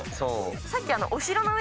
さっき。